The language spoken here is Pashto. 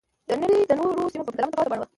د نړۍ د نورو سیمو په پرتله متفاوته بڼه وه